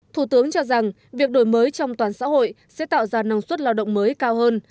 thủ tướng cho rằng việc đổi mới trong toàn xã hội sẽ tạo ra năng suất lao động mới cao hơn